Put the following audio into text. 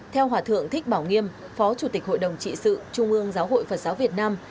theo hòa thượng thích bảo nghiêm phó chủ tịch hội đồng trị sự trung ương giáo hội phật giáo việt nam